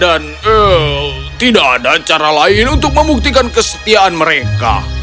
dan tidak ada cara lain untuk membuktikan kesetiaan mereka